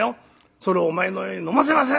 それをお前のように『飲ませません！』